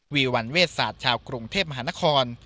วีวันเวชศาสตร์ชาวกรุงเทพมหานคร